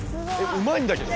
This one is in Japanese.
うまいんだけど。